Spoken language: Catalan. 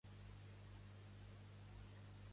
On n'hi podria haver un?